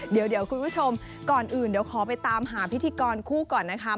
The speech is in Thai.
เดี๋ยวคุณผู้ชมก่อนอื่นเดี๋ยวขอไปตามหาพิธีกรคู่ก่อนนะคะ